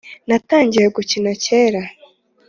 Natangiye gukina cyera